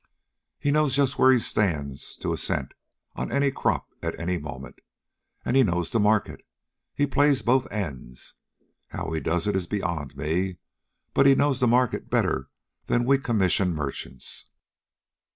He knows just where he stands, to a cent, on any crop at any moment. And he knows the market. He plays both ends. How he does it is beyond me, but he knows the market better than we commission merchants.